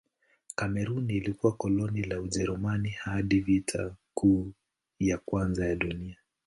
Kamerun ilikuwa koloni la Ujerumani hadi Vita Kuu ya Kwanza ya Dunia.